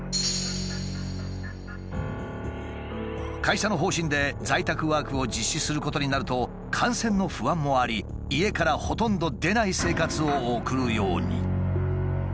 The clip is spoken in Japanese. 会社の方針で在宅ワークを実施することになると感染の不安もあり家からほとんど出ない生活を送るように。